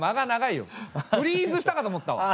フリーズしたかと思ったわ！